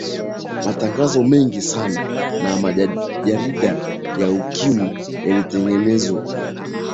matangazo mengi sana na majarida ya ukimwi yalitengenezwa